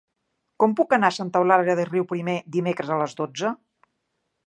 Com puc anar a Santa Eulàlia de Riuprimer dimecres a les dotze?